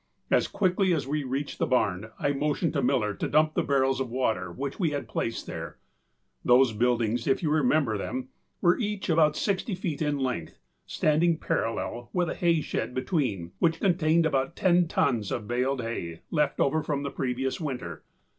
As quickly as we reached the barn I motioned to Miller to dump the barrels of water which we had placed there; those buildings, if you remember them, were each about sixty feet in length, standing parallel, with a hay shed between, which contained about ten tons of baled hay left over from the previous winter.